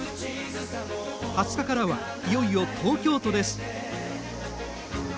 ２０日からはいよいよ東京都です。